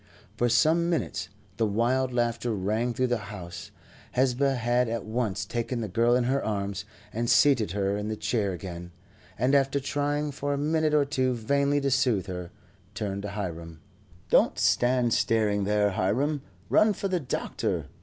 For some minutes the wild laughter rang through the house. Hesba had at once taken the girl in her arms, and seated her in the chair again, and after trying for a minute or two vainly to soothe her, turned to Hiram. "Don't stand staring there, Hiram; run for the doctor.